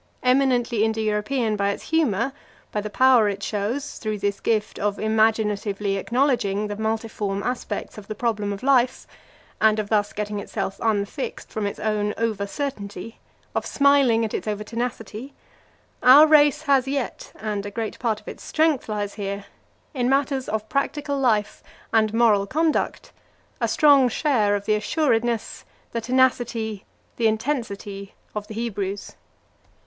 Eminently Indo European by its humour, by the power it shows, through this gift, of imaginatively acknowledging the multiform aspects of the problem of life, and of thus getting itself unfixed from its own over certainty, of smiling at its own over tenacity, our race has yet (and a great part of its strength lies here), in matters of practical life and moral conduct, a strong share of the assuredness, the tenacity, the intensity of the Hebrews.